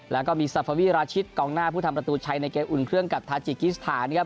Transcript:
แล้วก็มีซาฟาวีราชิตกองหน้าผู้ทำประตูชัยในเกมอุ่นเครื่องกับทาจิกิสถานนะครับ